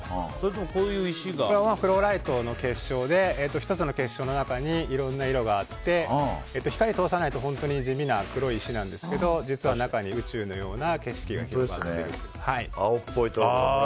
これフローライトの結晶で１つの結晶の中にいろんな色があって光を通さないと本当に地味な黒い石なんですけど、実は中に宇宙のような景色が広がっていると。